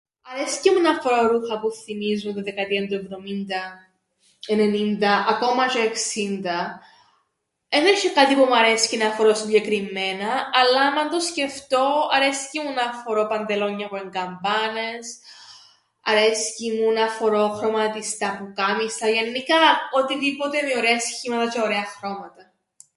Αρέσκει μου να φορώ ρούχα που θθυμίζουν την δεκαετίαν του εβδομήντα, ενενήντα, ακόμα τζ̆αι εξήντα. Εν έσ̆ει κάτι που μου αρέσκει να φορώ συγκεκριμμένα, αλλά άμαν το σκεφτώ, αρέσκει μου να φορώ παντελόνια που εν' καμπάνες, αρέσκει μου να φορώ χρωματιστά πουκάμισα, γεννικά οτιδήποτε με ωραία σχήματα τζ̆αι ωραία χρώματα.